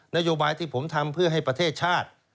นโยบายที่ผมทำเพื่อให้ประเทศชาติ